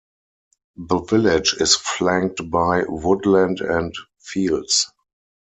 The village is flanked by woodland and fields.